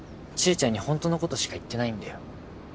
ちゃんにホントのことしか言ってないんだよ。